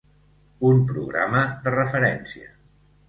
Un programa de referència.